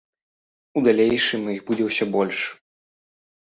У далейшым іх будзе ўсё больш.